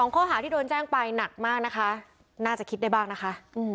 ข้อหาที่โดนแจ้งไปหนักมากนะคะน่าจะคิดได้บ้างนะคะ